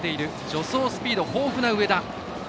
助走スピード豊富な上田。